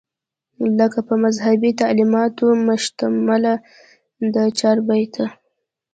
لکه پۀ مذهبي تعليماتو مشتمله دا چاربېته